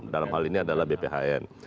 dalam hal ini adalah bphn